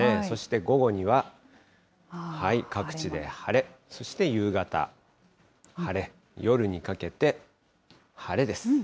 そして午後には各地で晴れ、そして夕方、晴れ、夜にかけて晴れです。